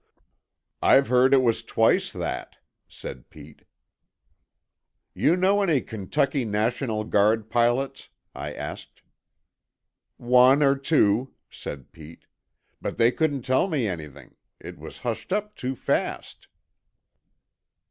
"I've heard it was twice that," said Pete. "You know any Kentucky National Guard pilots?" I asked. "One or two," said Pete. "But they couldn't tell me anything. It was hushed up too fast."